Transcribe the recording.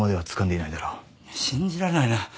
信じられないな。